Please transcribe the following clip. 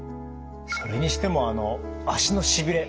それにしても足のしびれ